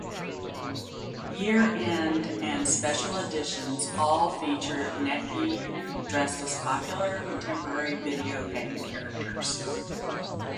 Year-end and special editions all feature Necky dressed as popular contemporary video game characters.